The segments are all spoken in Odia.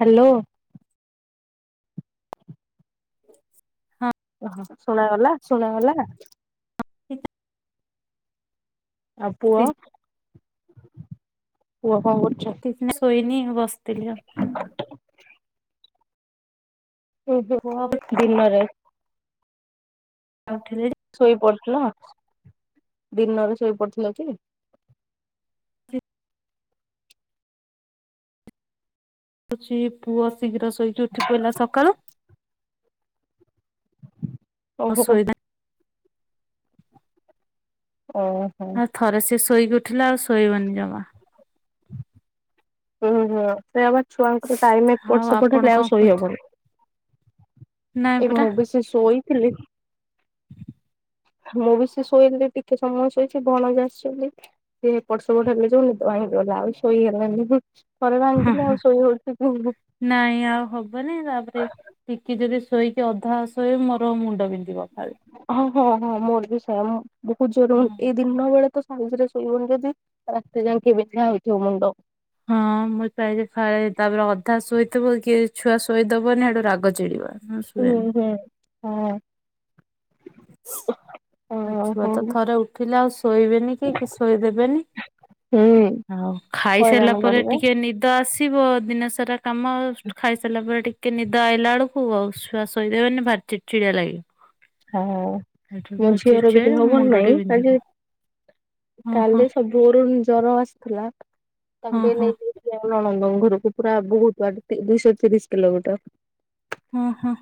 ହ୍ୟାଲୋ ହଁ ଓହୋ ଶୁଣାଗଲା ଶୁଣାଗଲା। [unintelligible] ଆଉ ପୁଅ ବସିଥିଲି ପୁଅ କଣ କରୁଛି? ନାଇ ଶୋଇନି ବସିଥିଲି ଆଉ। ହ ପୁଅ ହ ଦିନରେ। ଆଉଠେ ଶୋଇପଡଥିଲ ଦିନରେ ଶୋଇପଡୁଥିଲ କି? ହଉଛି ପୁଅ ଶୀଘ୍ର ଶୋଇକି ଉଠି ପିଲା ସକାଳୁ। ଆଉ ଓହୋ ହୋ। ଶୋଇଲା ଓ। ଆଉ ଥରେ ସେ ଶୋଇକି ଉଠିଲା ଆଉ ଶୋଇବନି ଜମା। ହୁଁ ହୁଁ ସେ ପା ଛୁଆଙ୍କର ଟାଇମ ଆଉ ଏପଟ ସେପଟ ଆପଣ ହେଲେ କଣ ଆଉ କରୁଛନ୍ତି? ଶୋଇହବନି। ନାଇଁ ଏ ପରା ମୁଁ ବି ସେ ଶୋଇ ଥିଲି। ମୁଁ ବି ସେ ଶୋଇଥିଲି ଟିକେ ସମୟ ଶୋଇଛି ଭଣଜା ଆସିଛନ୍ତି। ସେ ଏପଟ ସେପଟ ହେଲେ ଯାଉ ନିଦ ଭାଙ୍ଗିଗଲା ଆଉ ଶୋଇ ହେଲାନି। ଥରେ ହଁ ଭାଙ୍ଗିଲେ ହଁ ଆଉ ଶୋଇ ହଉଛି କି? ନାଇଁ ଆଉ ହବନାଇଁ ତାପରେ ଟିକେ ଯଦି ଶୋଇକି ଅଧା ଶୋଇ ମୋର ମୁଣ୍ଡ ବିନ୍ଧିବ ଫାଳେ। ହଁ ହଁ ହଁ ମୋର ବି ସେୟଁ ବହୁତ ଜୋର ଏଇ ଜିନିଷ ଗୁଡା ଆଉଥରେ ଶୋଇବନି ଯଦି ରାତି ଯାକେ ବନ୍ଧା ହେଉଥିବ ମୁଣ୍ଡ। ହଁ ମୁଁ ଚା ଫ ତାପରେ ଅଧା ଶୋଇଥିବ କି ଛୁଆ ଶୋଇଦବନି ସେଡୁ ରାଗ ଚିଡିବ। ମୁଁ ହୁଁ ଶୁଏନି ହୁଁ ହଁ। ଆଛୁଆ ଓହୋ। ତ ଥରେ ଉଠିଲେ ଆଉ ଶୋଇବେନି କି ଶୋଇଦେବେନି। ହୁଁ। ଆଉ ଖାଇସାରିଲା ହଇରାଣ ପରେ କରିବେ। ଟିକେ ନି ତ ଆସିବ ଦିନ ସାରା କାମ ଖାଇସାରିଲା ପରେ ଟିକେ କି ନିଦ ଆଇିଲା ବେଳକୁ ଆଉ ଶୁଆ ଶୋଇ ଦେବନି ଭାରି ଚିଡି ଚିଡା ଲାଗେ। ହଁ ମୋ ଝିଅର ବିି ଦେହ ଚିଡଚିଡା ଭଲ ମୁଣ୍ଡ ଟି ନାଇଁ, ବିନ୍ଧିବ ଆଜି ହଁ ହଁ କାଲି ସବୁ ଭୋରୁ ଜର ଆସିଥିଲା ହଁ ତାକୁ ଟିକେ ହଁ ନେଇଥିଲି। ନଣନ୍ଦ ଘରକୁ ପୁରା ବହୁତ ବାଟ ଦିଇଶହ ତିରିଶ କିଲୋମିଟର। ହଁ ହଁ।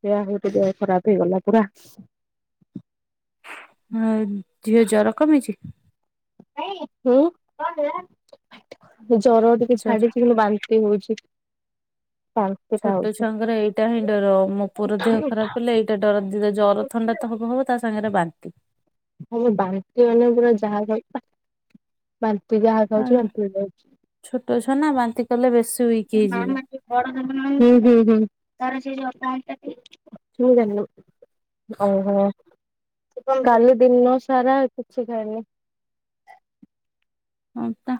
ସେଆ ହଉତ ଦେହ ଖରାପ ହେଇଗଲା ପୁରା। ହଁ ଝିଅ ଜର କମିଛି? ହୁଁ ଜର ଟିକେ ଜର ଛାଡିଛି କିନ୍ତୁ ବାନ୍ତି ହଉଛି। ବାନ୍ତି ଟା ଛୋଟ ଛୁଆଙ୍କର ଏଇଟା ହିଁ ଡର ମୋ ପୁଅ ଦେହ ଖରାପ ହେଲେ ଏଇଟା ଡର ଦିଦ ଜର ହଉଛି। ଥଣ୍ଡା ତ ହବ ତା ସାଙ୍ଗରେ ବାନ୍ତି। ହଁମ ବାନ୍ତି ମାନେ ପୁରା ଯାହା ଖାଉଛି ବାନ୍ତି ଯାହା ଖାଉଛି ବାନ୍ତି ହେଇଯାଉଛି। ଛୋଟ ଛୁଆ ନା ବାନ୍ତି କଲେ ବେଶୀ ୱିକ ହେଇଯିବେ। ହୁଁ ହୁଁ ହୁଁ ମୁଁ ଯାନିନି। ଓହୋ କାଲି ଦିନ ସାରା କିଛି ଖାଇନି। ହଁ ତା।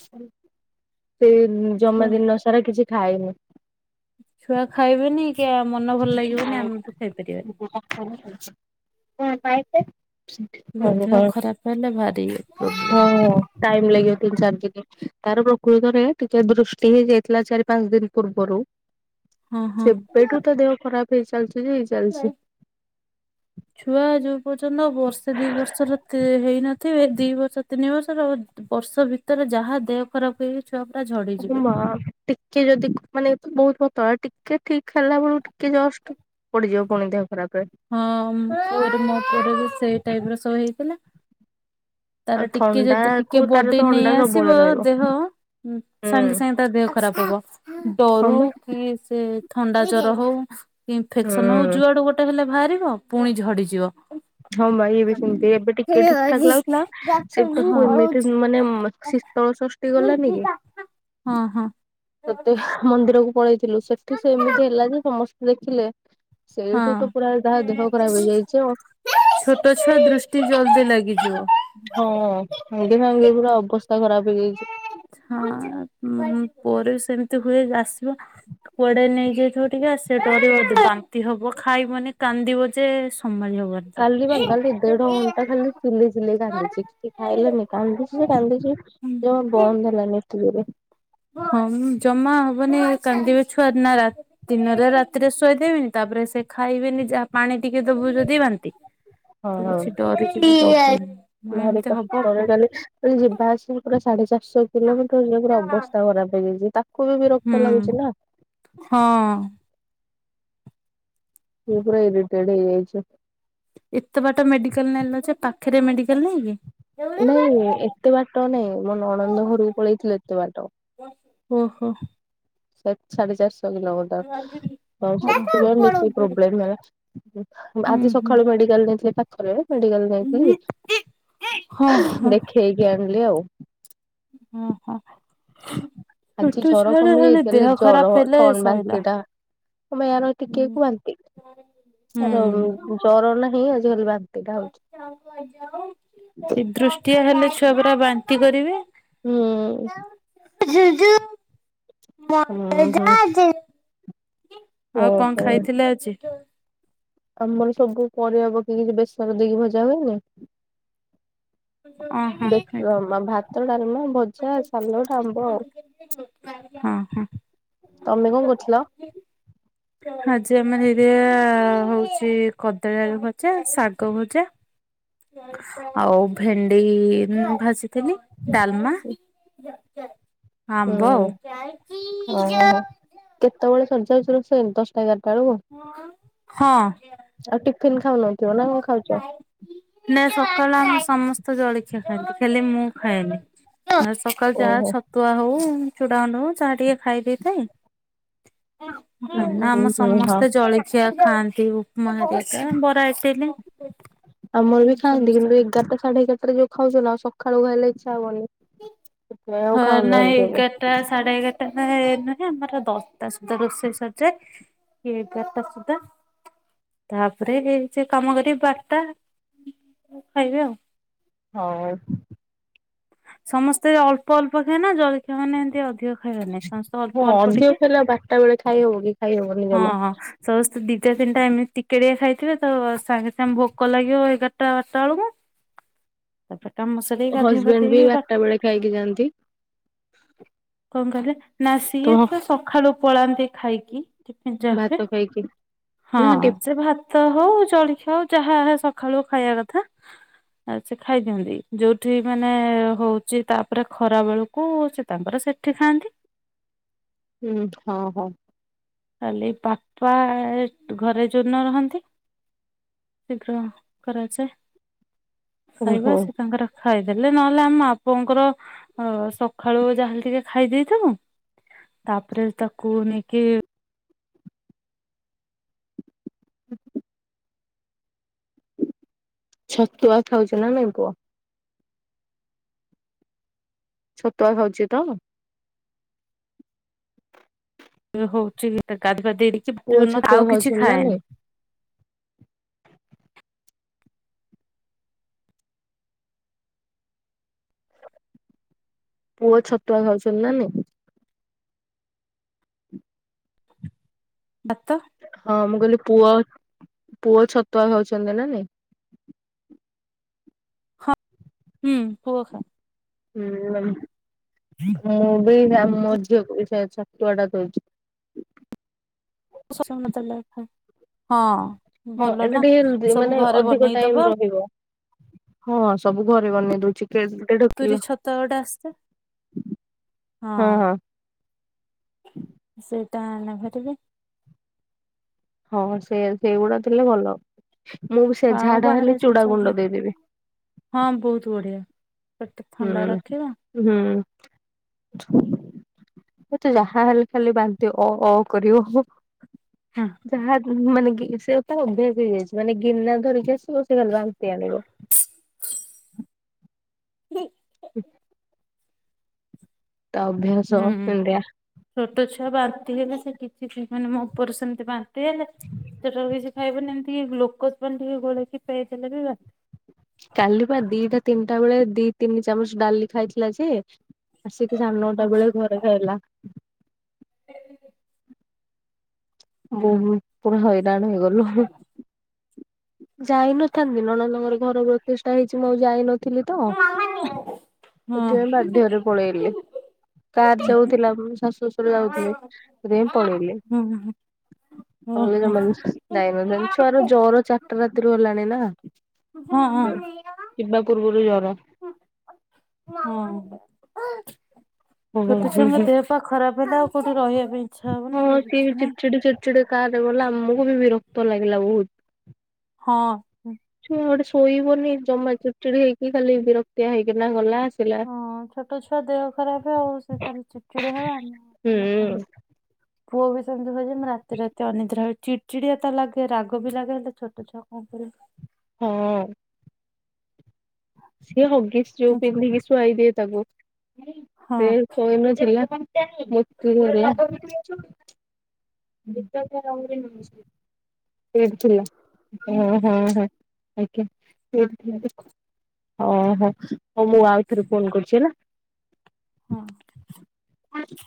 ସେ ଜମାଦିନ ସାରା କିଛି ଖାାଇନି। ଛୁଆ ଖାଇବେନି କି ମନ ଭଲ ଲାଗିବନି ଆମେ ବି ଖାଇ ପାରିବାନି। ହଁ ପାଇଲେ? ପୁରା ହ ଦେହ ଖରାପ ହେଲେ ଭାରି ପ୍ରୋବ୍ଲେମ୍। ହଁ ଟାଇମ ଲାଗିବ ତିରିସ ଦିନ। ତାର ପ୍ରକୃତ ରେ ଟିକେ ବୃଷ୍ଟି ହେଇ ଯାଇଥିଲା ଚାରି ପାଞ୍ଚ ଦିନ ପୂର୍ବରୁ। ହଁ ହଁ ସେବେଠୁ ତା ଦେହ ଖରାପ ହେଇ ଚାଲଚି ଯେ ହେଇଚା ପ୍ରାଏ ଛୁଆ ଯୋଉ ପର୍ଯ୍ୟନ୍ତ ବର୍ଷେ ଦିଇ ବର୍ଷର ତେ ହେଇନ ଥିବେ ଦିଇ ବର୍ଷ ତିନି ବର୍ଷର ବର୍ଷ ଭିତରେ ଯାହା ଦେହ ଖରାପ ହେଇଚି ଛୁଆ ପୁରା ଝଡି ସବୁ ମା ଟିକେ ଯଦି ମାନେ ବୋହୁତ ପତଳା ଟିକେ ଠିକ୍ ହେଲା ବେଳକୁ ଟିକେ ଜଷ୍ଟ ପଡିଯିବ ପୁଣି ଦେହ ଖରାପ ରେ। ହଁ ପୁଅ ଟେ ବି ମୋ ପରେ ସେଇ ଟାଇପ୍ ର ସୋଇଥିଲା। ଆଉ ତାର ଟିକେ ଥଣ୍ଡା ଯଦି କୁ ଟିକେ ତାର ବଡି ନେଇ ଥଣ୍ଡା ଆସିବ ସବୁବେଳେ ରହିବ ଦେହ ହୁଁ ହୁଁ ସାଙ୍ଗେ ସାଙ୍ଗେ ତ ଦେହ ଖରାପ ହବ ହଁ ଡରୁ ବା କି ସେ ଥଣ୍ଡା ଜର ହୋଉ ଇନଫେକ୍ସନ ହୋଉ ହୁଁ ଯୁଆଡୁ ଗୋଟେ ହେଲେ ବାହାରିବ ପୁଣି ଝଡିଯିବ। ହଁ ବା ଇଏ ବି ସେମିତି ଏବେ ଟିକେ ଠିକ ଠାକ ଲାଗୁଥିଲା ହଁ ସେ ତାକୁ ଏମିତି ମାନେ ଶୀତଳ ଷଷ୍ଠୀ ହଁ। ତତେ ମନ୍ଦିରକୁ ପଳେଇଥିଲୁ ସେଠି ସେ ଏମିତି ହେଲା ଯେ ସମସ୍ତେ ଦେଖିଲେ ସେଇଠୁ ହଁ ତ ପୁରା ତାହା ଦେହ ଖରାପ ହେଇଯାଇଚି ଆଉ। ଛୋଟ ଛୁଆ ଦୃଷ୍ଟି ଜଲଦି ଲାଗିଯିବ। ହଁ ହେ ଦିନ ବି ପୁରା ଅବସ୍ଥା ଖରାପ୍ ହେଇଯାଇଚି। ହଁ ମୁଁ ପୁଅରେ ସେମିତି ହୁଏ ଆସିବା କୁଆଡେ ନେଇଯାଇଥିବ ଟିକେ ଆସିବତ ବାନ୍ତି ହବ ଖାଇବନି କାନ୍ଦିବ ଯେ ସୋ ସମ୍ଭାଳି ହବନି। ତାକୁ। କାଲି ବା କାଲି ଦେଢ ଘଣ୍ଟା ଖାଲି ଚିଲେଇ ଚିଲେଇ କାନ୍ଦିଚି କିଛି ଖାଇଲାନି କାନ୍ଦିଚି ଯେ କାନ୍ଦିଚି। ଜମା ବନ୍ଦ ହେଲାନି ଏତେଯୋରେ। ହଁମ ଜମା ହବନି କାନ୍ଦିବେ ଛୁଆର ନା ରାତି ଦିନରେ ରାତିରେ ଶୋଇଦେବେନି ତାପରେ ସେ ଖାଇବେନି ଯାହା ପାଣି ଟିକେ ଦବୁ ଯଦି ବାନ୍ତି। ହଁ ଠିକ୍ ଅଛି ଡରି ଛିକି କହି ପାରିବିନି ମୁଁ ଏମିତି ହବ କ ମୁଁ କହିଲି ଯିବା ଆସିବା ପୁରା ସାଢେ ଚାରିଶହ କିଲୋମିଟର ଯିବ ପୁରା ଅ ଅ ବସ୍ତା ଖରାପ୍ ହେଇଯାଇଚି ତା କୋବି ହୁଁ ବିରକ୍ତ ଲାଗୁଚି ନା। ହଁ। ଇଏ ପୁରା ଇଡିଟେଡ୍ ହେଇଯାଇଚି। ଏତେ ବାଟ ମେଡିକାଲ ନେଲଯେ ପାଖରେ ମେଡିକାଲ ନହିଁ କି? ନାଇଁ ଏତେ ବାଟ ନାଇଁ ମୋ ନଣନ୍ଦ ଘରକୁ ପଳେଇଥିଲି ଏତେ ବାଟ। ଓହୋ। ସେ ସାଢେ ଚାରଶହ କିଲୋମଟର ଆଉ ସେଥିପାଇଁ ମୁଁ ମିସ୍ତ୍ରୀ ଓହୋ। ପ୍ରୋବ୍ଲେମ୍ ହେଉଛି। ହୁଁ ଆଜି ହୁଁ ସକାଳୁ ମେଡିକାଲ ନେଇଥିଲେ ପାଖରେ। ମେଡିକାଲ ନେଇଥିଲି ହଁ ଦେଖେଇକି ଆଣିଲି ଆଉ। ଓ ହୋ। ଆଜି ଜର କମି ଯାଇଚି ହେଲେ ଜର ହେଲେ ଥଣ୍ଡ ସଇଲା ବାନ୍ତି ଟା ଆୟାର ଟିକେ ହୁଁ। କୁ ବାନ୍ତି ଆାର ଯୋଉ ଜର ନାହିଁ ଆଜିକାଲି ବାନ୍ତି ଟା ହଉଛି। ଦୃଷ୍ଟିଆ ହେଲେ ଛୁଆ ପୁରାା ବାନ୍ତି କରିବେ। ହୁଁ। ୁ ଆଉ ହୁଁ ହୁଁ କଣ ଖାଇଥିଲେ ଓହୋ ଆଜି? ଆମର ସବୁ ପରିବା ପକେଇକି ବେସର ଦେଇକି ଭଜା ହୁଏନି? ଅଁ ହଁ ବେଶର ଖାଇଥିଲି। ଅମା ଭାତଡ଼ାଲାମା ବହୁ ଆଛା ସାଲଟ ଆମ୍ବ ଆଉ ହଁ ହଁ ତମେ କଣ କରିଥିଲ? [inaudible] ଆଜି ଆମର ହେଇଥିଲା ହୋଉଚି କଦଳୀ ଆଳୁ ଭଜା ଶାଗ ଭଜା। [inaudible] ଆଉ ଭେଣ୍ଡି ମୁଁ ଭାଜିଥିଲି ଡାଲମା ହୁଁ ଆମ୍ବ ଆଉ ଓହୋ କେତେବେଳେ ସର ଯାଉଛି ରୋଷଇ ଦଶଟା ଏଗାରଟା ଏଳକୁ? ହଁ! ଆଉ ଟିଫିନ ଖାଉନଥିବ, ନା କଣ ଖାଉଛ? ନାଁ ସକାଳେ ଆମର ସମସ୍ତେ ଜଳଖିଆ ଖାଆନ୍ତି ଖାଲି ମୁଁ ଖାଏନି! ସକାଳୁ ଯାହା ଛ ଓହୋ ଛତୁଆ ହଉ ଚୁଡ଼ାଗୁଣ୍ଡ ହଉ ଜାହା ଟିକେ ଖାଇ ହୁଁ ଦେଇଥାଏ ଆମ ହୁଁ ହଁ ସମସ୍ତେ ଜଳି ଖାଆନ୍ତି ଉପମା ଘରିକା ବରା, ଇଟିଲି ଆମର ବି ଖାନ୍ତି ସମସ୍ତେ କିନ୍ତୁ ହଁ ଏଗାରାଟା ସାଢେ ଏଗାରଟାରେ ଯୋଉ ଖାଉଥିଲ ସକାଳୁ ଖାଇଲେ ଇଚ୍ଛା ହବନି! ନାଇଁ ଆଉ ହଁ, ନାଇ ଖାଉନାହାନ୍ତି ଏବେ ଏଗାରଟା ସାଢ଼େ ଏଗାରଟା ଟା ନୁହେଁ ଆମର ଦଶଟା ସୁଦ୍ଧା ରୋଷେଇ ସରିଯାଏ ଏଗାରଟା ସୁଦ୍ଧା ତାପରେ ଏ ଯେ କାମ କରି ବାରଟା, ଖାଇବେ ଆଉ! ହଉ! ସମସ୍ତେ ଅଳ୍ପ ଅଳ୍ପ ଖାଆନ୍ତି ନା ଜଳଖିଆ ମାନେ ଏମିତି ଅଧିକ! ଖାଇବେନି ସମସ୍ତେ ହଁ ଅଳ୍ପ ଅଳ୍ପ ଅଧିକ ଟିକେ ଖାଇଲେ ବାରଟା ବେଳେ ଖାଇ ହବ କି ଖାଇ ହବନି ହଁ ଜମା ହଁ! ସମସ୍ତେ ଦିଟା ତିନିଟା ଏମିତି ଟିକେ ଟିକେ ଖାଇଥିବେ ତ ସାଙ୍ଗେ ସାଙ୍ଗେ ଭୋକ ଲାଗିବ ଏଗାରଟା ବାରଟା ବେଳକୁ [unintelligible] ତା ପରେ କାମ ସାରିକି ଗାଧୁଆ ପାଧୁଆ କରି ବାରଟା ବେଳେ ଖାଇକି ଯାଆନ୍ତି! କଣ କହିଲେ, ନା, ସିଏ ତ ସକାଳୁ ପଳାନ୍ତି ଖାଇକି! ଜା ହଏ ଭାତ ଖାଇକି [inaudible] ହଁ, ନା ଟି ସେ ଭାତ! ଭାତ ହଉ ଜଳଖିଆ ହଉ ଯାହା ସକାଳୁ ଖାଇବା କଥା ସେ ଖାଇ ଦିଅନ୍ତି ଯୋଉଠି ମା ମାନେ ହଉଛି ତାପରେ ଖରା ବେଳକୁ ସେ ତାଙ୍କର ସେଠି ଖାଆନ୍ତି! ହୁଁ, ହଁ, ହଉ! ଖାଲି ପାପା ଘରେ ଯୋଉଦିନ ରହନ୍ତି ଶୀଘ୍ର କରାଯାଏ ଖାଇବା ଓହୋ ସେ ତାଙ୍କର ଖାଇଦେଲେ ନହେଲେ ଆମ ମା ପୁଅ ଙ୍କର ସକାଳୁ ଯାହାେଲେ ଟିକେ ଖାଇ ଦେଇଥିବୁ ତାପରେ ତାକୁ ନେଇକି ହୁଁ! ଛତୁଆ ଖାଉଛି ନା ନାଇଁ ପୁଅ? ଛତୁଆ ଖାଉଛି ତ? ହଉଛି ଗାଧୁ ଦେଇିକି ପୁଅ ଛତୁଆ ଆଉ କିଛି ଖାଉଛନ୍ତି ନା ଖାଏନି। ନାଇଁ [inaudible] ପୁଅ ଛତୁଆ ଖାଉଛନ୍ତି ନା ନାଇଁ? ଭାତ! ହଁ, ମୁଁ କହିଲି ପୁଅ, ପୁଅ ଛତୁଆ ଖାଉଛନ୍ତି ନା ନାଇଁ? ହୁଁ, ପୁଅ ଖାଏ! ହୁଁ, ମୁଁ ବି ମୋ ଝିଅକୁ ବି ସେଇଆ ଛତୁଆ ଟା ଦଉଛି! ମତାଥା [inaudible] ହଁ, ଏଟା ଟିକେ ସବୁ ମାନେ ଘରେ ଅଧିକ ଟାଇମ୍ ବନେଇଦବ ରହିବ! ହଁ, ସବୁ ଘରେ ବନେଇ ଦଉଛି! କିଏ ଗୋଟେ ତୁରି ଡାକିଲା ଛତ ଗୋଟେ ଆସେ ହଁ, ହଁ! ସେଇଟା ନ ହେଲେ ବି ହଁ, ସେଇଆ ସେଇଗୁଡା ଥିଲେ ଭଲ। ମୁଁ ବି ସେଇଆ ଆଉ ଝାଡା ବାହାର ହେଲେ ଜିନିଷ ଚୁଡା ଗୁଣ୍ଡ ଦେଇଦେବି। ହଁ, ବହୁତ ବଢିଆ। ପେଟ ଥଣ୍ଡା ରଖିବ ହୁଁ, ହୁଁ। ମତେ ଯାହା ହେଲେ ଖାଲି ବାନ୍ତି ଅ ଅ କରିବ। ହୁଁ। ଯାହା ମାନେ ସେ ତାର ଅଭ୍ୟାସ ହେଇଯାଇଚି, ମାନେ ଗିନା ଧରିକି ଆସିବ ସେ ଖାଲି ବାନ୍ତି ଆଣିବ। ବି [inaudible] [inaudible] ତା ଅଭ୍ୟାସ ହୁଁ କେନ୍ତିଆ। ଛୋଟ ଛୁଆ ବାନ୍ତି ହେଲେ ସେ କିଛି ମାନେ ମୋ ପୁଅ ର ସେମିତି ବାନ୍ତି ହେଲେ ସେ। [unintelligible] ଖାଇବନି, ଏମିତି ଗ୍ଲୁକୋଜ୍ ପାଣି ଟିକେ ଗୋଲେଇକି ପେଇ ଦେଲେ ବି ବାନ୍ତି। କାଲି ପା ଦିଟା ତିନିଟା ବେଳେ ଦି ତିନି ଚାମଚ ଡାଲି ଖାଇଥିଲା ଯେ ଆସିକି ସାଢେ ହଁ ନଅଟା ବେଳେ ଘରେ ଖାଇଲା। ଏ ପୁରା ହଇରାଣ ହେଇଗଲୁ। ଯାଇନଥାନ୍ତି, ନଣନ୍ଦ ଙ୍ଗର ଘର ପ୍ରତିଷ୍ଠା ହେଇଚି ଯାଇନଥିଲି ତ। ହଁ ସେଥିପାଇଁ ବାଧ୍ୟରେ ପଳେଇଲି। କାର ଯାଉଥିଲା ମୋ ଶାଶୁ ଶଶୁର ଯାଉଥିଲେ ସେଥିପାଇଁ ପଳେଇଲି। [inaudible] [unintelligible] ଛୁଆର ଜର ଚାରିଟା ରାତିରୁ ହେଲାଣି ନା। ହଁ ହଁ। ଯିବା ପୂର୍ବରୁ ଜର। ହୁଁ। ଓହୋ ଛୋଟ ହୁଁ ଛୁଆଙ୍କ ହୁଁ। ଦେହ ଖରାପ ହେଲେ ଆଉ କୋଉଠି ରହିବା ପାଇଁ ଇଚ୍ଛା ହବନି କି କିଛି ନାଇଁ। କାର୍ ରେ ଗଲା ଆମକୁ ବି ରକ୍ତ ଲାଗିଲା ବହୁତ। ହଁ। ସିଏ ଗୋଟେ ଶୋଇବନି ଜମା ଚିଡଚିଡି ହେଇକି ଖାଲି ବିରକ୍ତିଆ ହେଇକିନା ଗଲା। ଆସିଲା। ହଁ ଛୋଟ ଛୁଆ ଦେହ ଖରାପ ଆଉ ସେ ତାର ଚିଡଚିଡି ହବା, ହୁଁ କହିଲେ କଣ ହବ। [inaudible] ପୁଅ ବି ସେମିତି ହୁଏ ଯେ ମୂ ରାତି ରାତି ଅନିଦ୍ରା ହୁଏ। ଚିଡ଼ିଚିଡ଼ିଆ ତ ଲାଗେ ରାଗ ବି ଲାଗେ ହେଲେ ଛୋଟ ଛୁଆ କଣ କରିବୁ। ହୁଁ। ସିଏ ହଗିସ୍ ଯୋଉ ପିନ୍ଧିକି ଶୁଆଇଦିଏ ତାକୁ। ହଁ ସେ [unintelligible] ମୁତିଦେଲା। [unintelligible] [unintelligible] ହଁ ହଁ ଆଜ୍ଞା [unintelligible] ହଁ ହଁ। ହଉ ମୁଁ ଆଉଥରେ ଫୋନ୍ କରୁଚି ହେଲା। ହଁ। [inaudible]